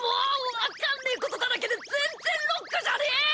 わかんねえことだらけで全然ロックじゃねえ！